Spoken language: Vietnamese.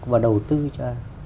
và đầu tư cho